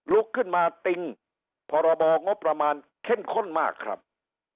ลุกขึ้นมาติงพรบงบประมาณเข้มข้นมากครับ